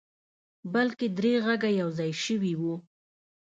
بلکې درې غږه يو ځای شوي وو.